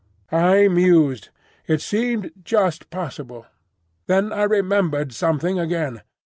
I mused. It seemed just possible. Then I remembered something again.